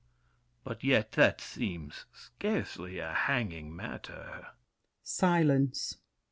But yet that seems Scarcely a hanging matter— [Silence.